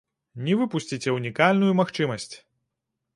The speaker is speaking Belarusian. Не выпусціце унікальную магчымасць!